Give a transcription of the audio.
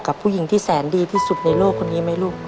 กับผู้หญิงที่แสนดีที่สุดในโลกคนนี้ไหมลูก